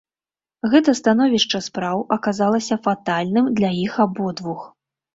Гэта становішча спраў аказалася фатальным для іх абодвух.